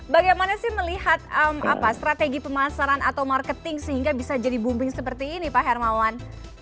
bagaimana sih melihat strategi pemasaran atau marketing sehingga bisa jadi booming seperti ini pak hermawan